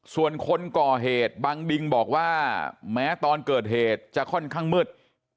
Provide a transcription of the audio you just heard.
ส่วนคนก่อเหตุบังดิงบอกว่าแม้ตอนเกิดเหตุจะค่อนข้างมืด